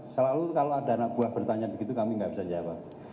selalu kalau ada anak buah bertanya begitu kami nggak bisa jawab